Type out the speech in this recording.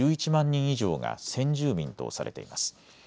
人以上が先住民とされています。